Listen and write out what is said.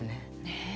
ねえ。